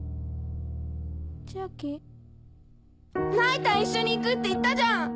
ナイター一緒に行くって言ったじゃん！